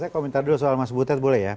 saya komentar dulu soal mas butet boleh ya